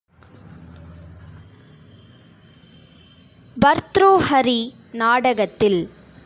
பர்த்ருஹரி நாடகத்தில்